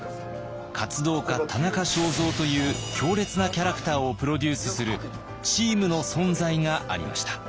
「活動家・田中正造」という強烈なキャラクターをプロデュースするチームの存在がありました。